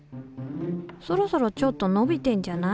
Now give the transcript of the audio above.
そろそろちょっと伸びてんじゃない？